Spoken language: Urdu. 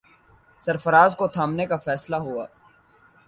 سرفراز کو تھمانے کا فیصلہ ہوا۔